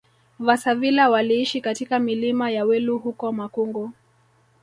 Vasavila waliishi katika milima ya Welu huko Makungu